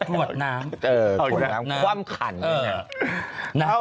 รถน้ำ